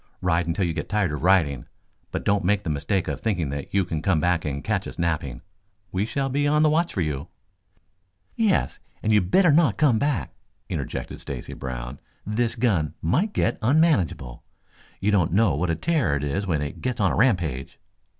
Ride until you get tired of riding, but don't make the mistake of thinking that you can come back and catch us napping. We shall be on the watch for you." "Yes, you had better not come back," interjected Stacy Brown. "This gun might get unmanageable. You don't know what a terror it is when it gets on a rampage."